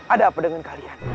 ada apa dengan kalian